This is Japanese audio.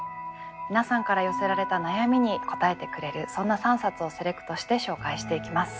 皆さんから寄せられた悩みに答えてくれるそんな３冊をセレクトして紹介していきます。